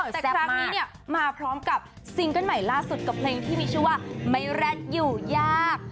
แต่ครั้งนี้เนี่ยมาพร้อมกับซิงเกิ้ลใหม่ล่าสุดกับเพลงที่มีชื่อว่าไม่แร็ดอยู่ยาก